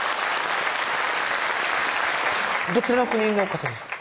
どちらの国の方ですか？